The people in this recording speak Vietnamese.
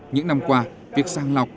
những năm qua việc sàng lọc